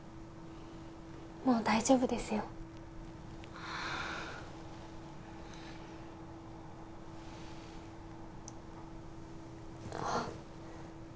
もう大丈夫ですよあっ